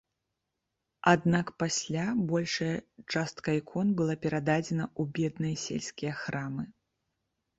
Аднак, пасля, большая частка ікон была перададзена ў бедныя сельскія храмы.